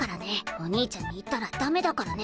お兄ちゃんに言ったらダメだからね。